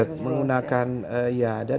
gadget menggunakan ya